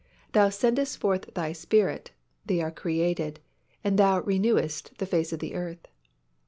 Thou sendest forth Thy Spirit, they are created: and Thou renewest the face of the earth."